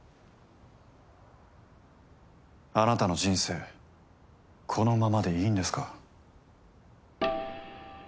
あなたの人生このままでいいんですか？